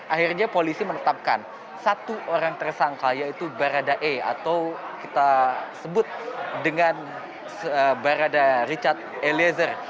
akhirnya polisi menetapkan satu orang tersangka yaitu barada e atau kita sebut dengan barada richard eliezer